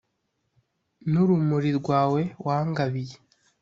n’urumuri rwawe wangabiye